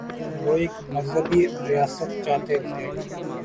وہ ایک مذہبی ریاست چاہتے تھے؟